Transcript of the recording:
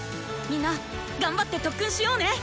みんな頑張って特訓しようね！